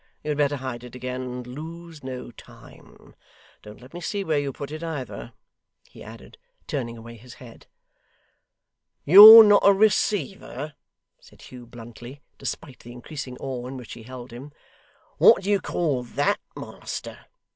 You had better hide it again, and lose no time. Don't let me see where you put it either,' he added, turning away his head. 'You're not a receiver!' said Hugh bluntly, despite the increasing awe in which he held him. 'What do you call THAT, master?